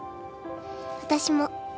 私も。